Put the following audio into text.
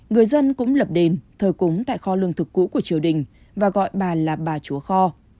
người dân cũng lập đền thờ cúng tại kho lương thực cũ của triều đình và gọi bà là bà chúa kho